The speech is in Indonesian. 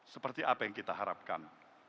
seperti apa yang kita harapkan